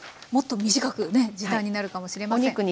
もっと短くね時短になるかもしれません。